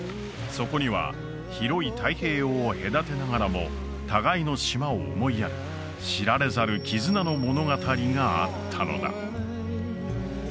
そこには広い太平洋を隔てながらも互いの島を思いやる知られざる絆の物語があったのだ